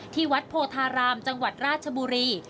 ที่วัดโพธารามจังหวัดราชบุรี